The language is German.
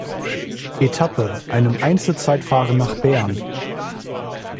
Etappe, einem Einzelzeitfahren nach Bern.